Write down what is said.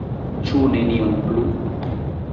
Ĉu nenion plu?